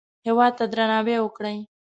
هېواد ته درناوی وکړئ